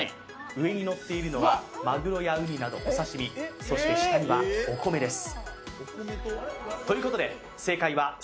上にのっているのはまぐろやうになどのお刺身、そして、下にはお米です。